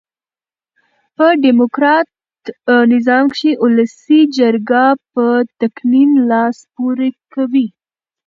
په ډیموکرات نظام کښي اولسي جرګه په تقنين لاس پوري کوي.